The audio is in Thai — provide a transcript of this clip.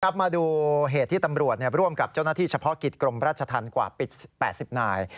มาดูเหตุที่ตำรวจร่วมกับเจ้าหน้าที่เฉพาะกิจกรมราชธรรมกว่า๘๐นาย